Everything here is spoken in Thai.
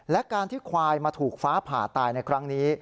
และการที่ควายมาถูกฟ้าผ่าตายในครั้งนี้